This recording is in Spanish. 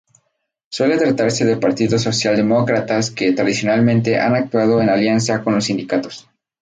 Suele tratarse de partidos socialdemócratas que, tradicionalmente, han actuado en alianza con los sindicatos.